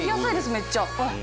めっちゃ。